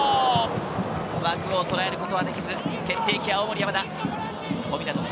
枠をとらえることはできず、決定機、青森山田。